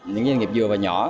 những doanh nghiệp vừa và nhỏ